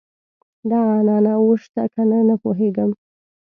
دغه عنعنه اوس شته کنه نه پوهېږم.